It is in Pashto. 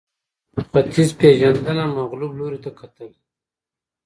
ختیځپېژندنه مغلوب لوري ته کتل